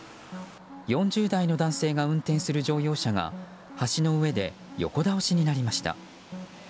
４０代の男性が運転する乗用車が橋の上で横倒しになりました。